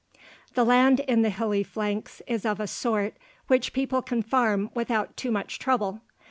The land in the hilly flanks is of a sort which people can farm without too much trouble.